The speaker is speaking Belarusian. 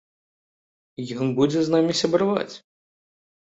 Ён будзе з намі сябраваць.